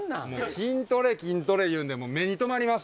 筋トレ筋トレいうんで目に留まりました。